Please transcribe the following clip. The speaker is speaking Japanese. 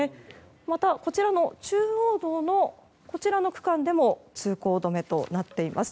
また、こちらの中央道のこちらの区間でも通行止めとなっています。